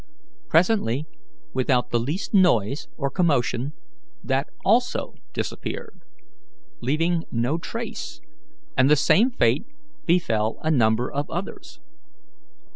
Presently, without the least noise or commotion, that also disappeared, leaving no trace, and the same fate befell a number of others.